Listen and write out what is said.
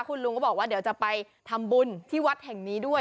คุณลุงก็บอกว่าเดี๋ยวจะไปทำบุญที่วัดแห่งนี้ด้วย